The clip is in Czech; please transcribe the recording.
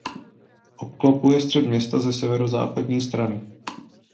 Obklopuje střed města ze severozápadní strany.